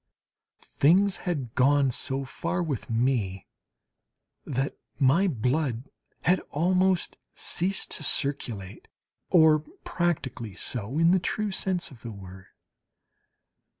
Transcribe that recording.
Things had gone so far with me that my blood had almost ceased to circulate, or practically so in the true sense of the word.